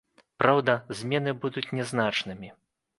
Праўда, змены будуць нязначнымі.